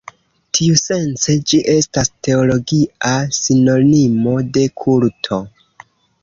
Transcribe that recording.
Tiusence ĝi estas teologia sinonimo de kulto.